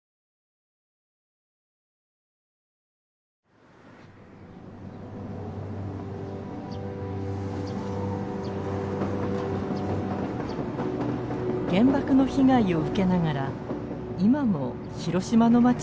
原爆の被害を受けながら今も広島の街を走る被爆電車です。